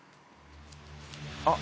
あっ。